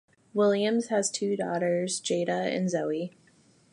Williams has two daughters, Jada and Zoey.